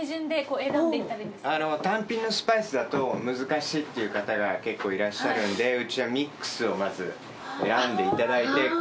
単品のスパイスだと難しいっていう方が結構いらっしゃるんでうちはミックスをまず選んでいただいて。